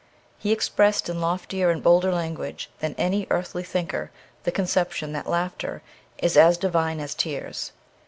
He expressed in loftier and bolder language than any earthly thinker the conception that laughter is as divine as tears.